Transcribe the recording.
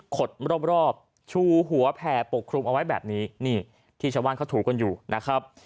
ขดรอบชูหัวแผ่ปกคลุมเอาไว้แบบนี้นี่ที่ชาวบ้านเขาถูกันอยู่นะครับ